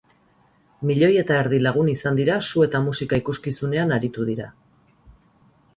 Milioi eta erdi lagun izan dira su eta musika ikuskizunean aritu dira.